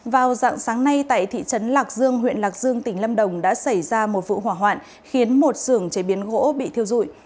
vào dạng sáng nay tại thị trấn lạc dương huyện lạc dương tỉnh lâm đồng đã xảy ra một vụ hỏa hoạn khiến một sưởng chế biến gỗ bị thiêu dụi